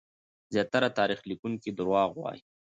زياتره تاريخ ليکونکي دروغ وايي.